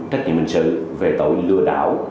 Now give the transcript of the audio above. trách nhiệm hình sự về tội lừa đảo